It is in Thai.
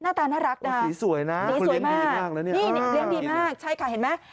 หน้าตาน่ารักน่ะนี่สวยมากเลี้ยงดีมากใช่ค่ะเห็นไหม